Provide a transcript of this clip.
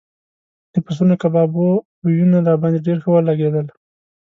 د پسونو کبابو بویونه راباندې ډېر ښه لګېدل.